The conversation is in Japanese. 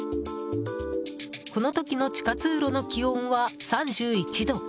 この時の地下通路の気温は３１度。